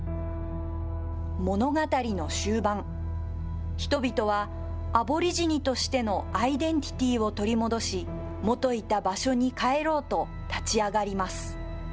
物語の終盤、人々はアボリジニとしてのアイデンティティーを取り戻し、元いた場所に帰ろうと立ち上がります。